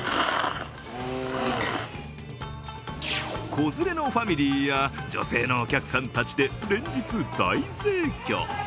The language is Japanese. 子連れのファミリーや女性のお客さんたちで連日、大盛況。